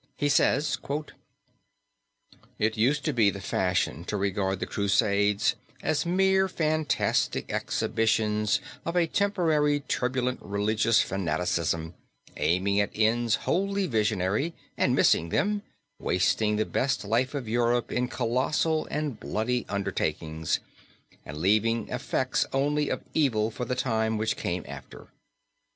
He says: "It used to be the fashion to regard the Crusades as mere fantastic exhibitions of a temporary turbulent religious fanaticism, aiming at ends wholly visionary, and missing them, wasting the best life of Europe in colossal and bloody undertakings, and leaving effects only of evil for the time which came after.